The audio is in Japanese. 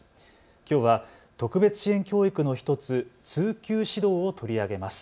きょうは特別支援教育の１つ、通級指導を取り上げます。